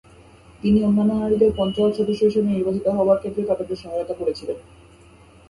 তিনি অন্যান্য নারীদের পঞ্চায়েত সদস্য হিসেবে নির্বাচিত হবার ক্ষেত্রে তাদেরকে সহায়তা করেছিলেন।